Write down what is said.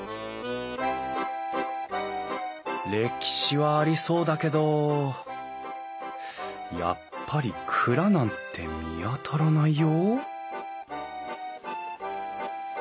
歴史はありそうだけどやっぱり蔵なんて見当たらないよ？